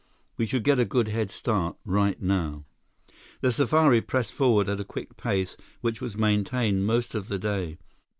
We should get a good head start, right now." The safari pressed forward at a quick pace which was maintained most of the day.